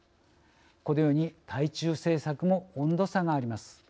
このように対中政策も温度差があります。